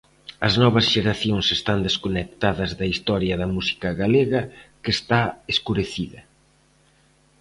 As novas xeracións están desconectadas da historia da música galega, que está escurecida.